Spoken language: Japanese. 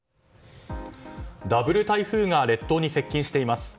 ダブル台風が列島に接近しています。